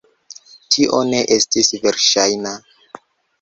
Tio ne estis verŝajna.